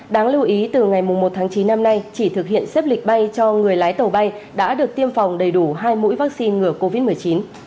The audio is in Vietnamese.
đáng lưu ý từ ngày một tháng chín năm nay chỉ thực hiện xếp lịch bay cho người lái tàu bay đã được tiêm phòng đầy đủ hai mũi vaccine ngừa covid một mươi chín